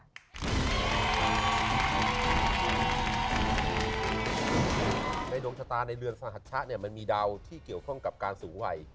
ในดวงชะตาในเรือนสหัชชะเนี่ยมันมีดาวที่เกี่ยวข้องกับการสูงวัย